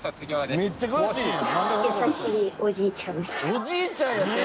「おじいちゃん」やて！